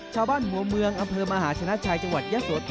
ชาวบ้านหัวเมืองอำเภอมหาชนะชัยจังหวัดยะโสธร